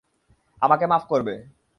আমাকে মাফ করবে।